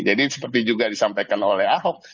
jadi seperti juga disampaikan oleh ahok